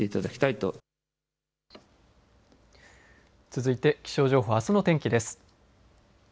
続いて気象情報あすの天気です。